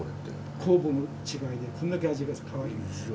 酵母の違いでこんだけ味が変わるんですよ。